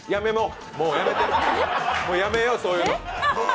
もうやめよう、そういうの。